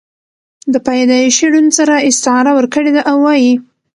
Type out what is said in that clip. دَپيدائشي ړوند سره استعاره ورکړې ده او وائي: